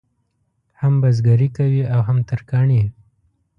هم بزګري کوي او هم ترکاڼي.